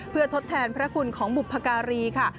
เพื่อทดแทนพระคุณของบุพการีค่ะ